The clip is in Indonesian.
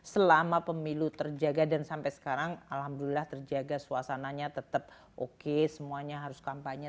selama pemilu terjaga dan sampai sekarang alhamdulillah terjaga suasananya tetap oke semuanya harus kampanye